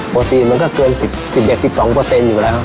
ปกติมันก็เกิน๑๑๑๒อยู่แล้ว